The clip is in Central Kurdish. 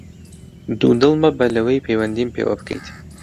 دوودڵ مەبە لەوەی پەیوەندیم پێوە بکەیت!